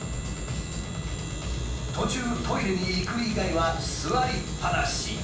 途中トイレに行く以外は座りっぱなし。